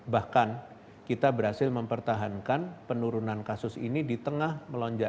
bahkan kita berhasil mempertahankan penurunan kasus ini di tengah melonjaknya